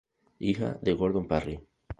Hija de Gordon Parry.